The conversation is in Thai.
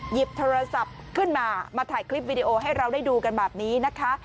หยิบโทรศัพท์ขึ้นมามาถ่ายคลิปวิดีโอให้เราได้ดูกันแบบนี้นะคะ